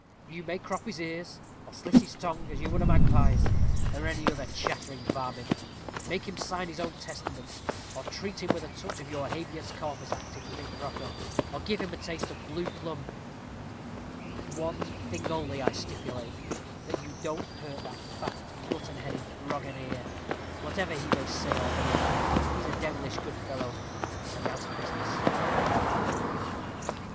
You may crop his ears, or slit his tongue as you would a magpie's, or any other chattering varmint; make him sign his own testament, or treat him with a touch of your Habeas Corpus Act, if you think proper, or give him a taste of blue plumb. One thing only I stipulate, that you don't hurt that fat, mutton headed Broganeer, whatever he may say or do; he's a devilish good fellow. And now to business."